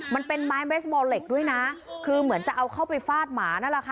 มันเป็นไม้เบสมอลเหล็กด้วยนะคือเหมือนจะเอาเข้าไปฟาดหมานั่นแหละค่ะ